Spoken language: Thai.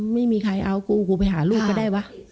ไม่มีใครเอากูกูไปหาลูกก็ได้วะ